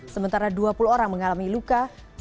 sementara dua puluh orang mengalami luka